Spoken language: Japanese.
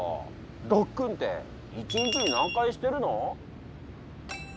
ドックンって一日に何回してるの？